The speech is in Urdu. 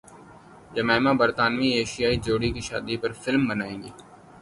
جمائما برطانوی ایشیائی جوڑے کی شادی پر فلم بنائیں گی